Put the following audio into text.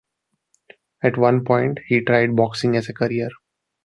At one point he tried boxing as a career.